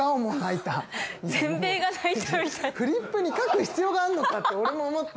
フリップに書く必要があるのかって俺も思った。